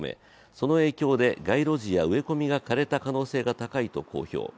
その影響で、街路樹や植え込みが枯れた可能性が高いと公表。